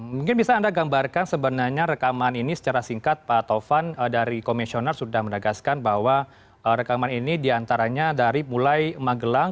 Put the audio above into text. mungkin bisa anda gambarkan sebenarnya rekaman ini secara singkat pak taufan dari komisioner sudah menegaskan bahwa rekaman ini diantaranya dari mulai magelang